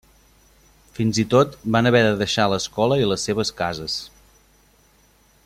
Fins i tot van haver de deixar l'escola i les seves cases.